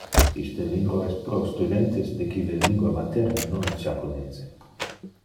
Iste libro es pro studentes de qui le lingua materne non es japonese.